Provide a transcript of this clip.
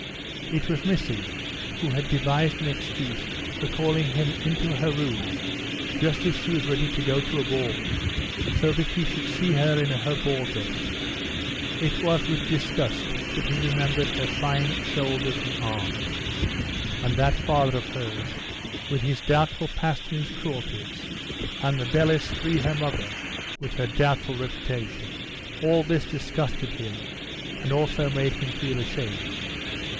It was Missy, who had devised an excuse for calling him into her room just as she was ready to go to a ball, so that he should see her in her ball dress. It was with disgust that he remembered her fine shoulders and arms. "And that father of hers, with his doubtful past and his cruelties, and the bel esprit her mother, with her doubtful reputation." All this disgusted him, and also made him feel ashamed.